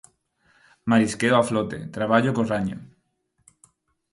Marisqueo a flote: Traballo co raño.